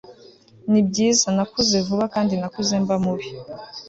nibyiza, nakuze vuba kandi nakuze mba mubi